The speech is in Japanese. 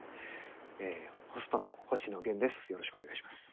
ホストの星野源です。